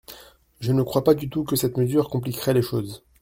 Je ne crois pas du tout que cette mesure compliquerait les choses.